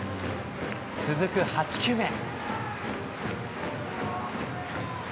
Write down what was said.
続く８球目。